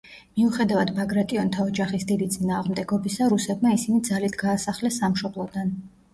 მიუხედავად ბაგრატიონთა ოჯახის დიდი წინააღმდეგობისა, რუსებმა ისინი ძალით გაასახლეს სამშობლოდან.